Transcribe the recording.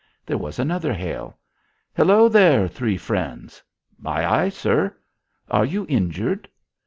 There was another hail. "Hello there, Three Friends!" "Ay, ay, sir!" "Are you injured?"